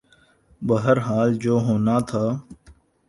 بہرحال جو ہونا تھا۔